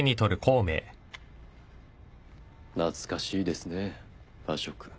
懐かしいですねぇ馬謖。